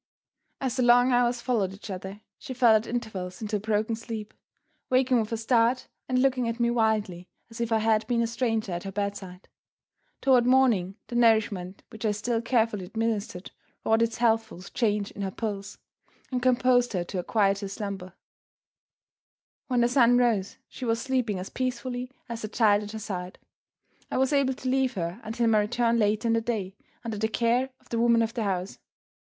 As the long hours followed each other, she fell at intervals into a broken sleep; waking with a start, and looking at me wildly as if I had been a stranger at her bedside. Toward morning the nourishment which I still carefully administered wrought its healthful change in her pulse, and composed her to quieter slumbers. When the sun rose she was sleeping as peacefully as the child at her side. I was able to leave her, until my return later in the day, under the care of the woman of the house.